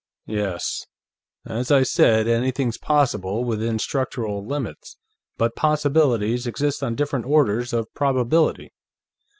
"Yes. As I said, anything's possible, within structural limits, but possibilities exist on different orders of probability.